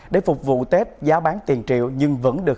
để phục vụ tết giá bán tiền triệu nhưng vẫn được